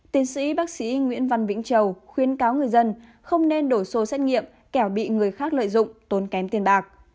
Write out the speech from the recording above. tiến sĩ bác sĩ nguyễn văn vĩnh châu khuyến cáo người dân không nên đổi số xét nghiệm kẻo bị người khác lợi dụng tốn kém tiền bạc